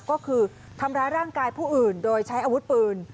ก็คือทำร้ายร่างกายผู้อื่นโดยใช้อาวุธปืน